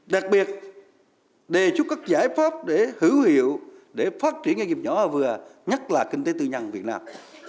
đặc biệt đề xuất các giải pháp để hữu hiệu để phát triển cái nghiệp nhỏ vừa nhất là kinh tế tư nhằn việt nam